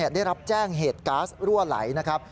ได้รับแจ้งเหตุก๊าซรั่วไหลนะครับ